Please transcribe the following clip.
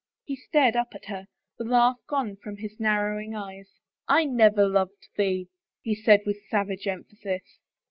He stared up at her, the laugh gone from his narrow ing eyes. I never loved thee," he said with savage emphasis.